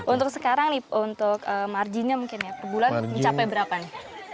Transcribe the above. untuk sekarang nih untuk marginnya mungkin ya per bulan mencapai berapa nih